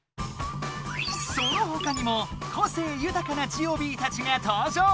そのほかにも個性ゆたかなジオビーたちが登場。